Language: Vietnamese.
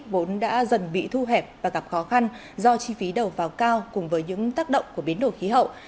vốn đã dần bị thu hẹp và gặp khó khăn do chi phí đầu vào cao cùng với những tác động của biến đổi khí hậu